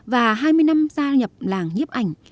và hai mươi năm gia nhập làm báo